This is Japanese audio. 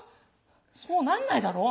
そうなんないだろう？